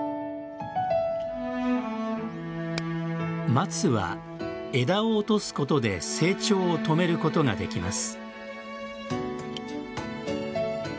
松は枝を落とすことで成長を止めることができます。